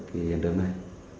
cái hiện trường này